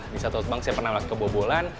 di salah satu bank saya pernah kebobolan